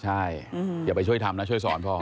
ใช่อย่าไปช่วยทำนะช่วยสอนพ่อ